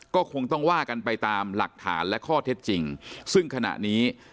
ก็คงต้องว่ากันไปตามหลักฐานและข้อเท็จจริงซึ่งขณะนี้